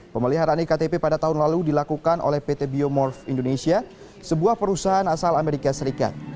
pemeliharaan iktp pada tahun lalu dilakukan oleh pt biomorph indonesia sebuah perusahaan asal amerika serikat